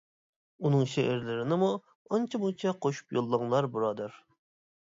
ئۇنىڭ شېئىرلىرىنىمۇ ئانچە-مۇنچە قوشۇپ يوللاڭلار، بۇرادەر!